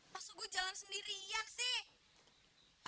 masuk gua jalan sendirian sih